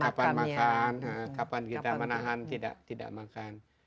kapan makan kapan kita menahan tidak makan